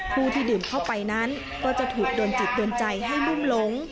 ผู้ที่ดื่มเข้าไปนั้นก็จะถูกโดนจิตโดนใจให้รุ่มหลง